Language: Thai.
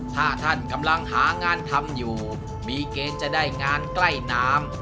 ถ้าท่านกำลังหางานทำอยู่มีเกณฑ์จะได้งานใกล้น้ำ